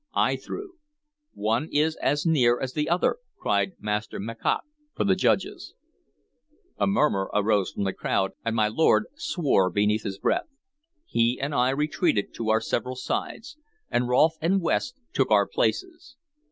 I threw. "One is as near as the other!" cried Master Macocke for the judges. A murmur arose from the crowd, and my lord swore beneath his breath. He and I retreated to our several sides, and Rolfe and West took our places.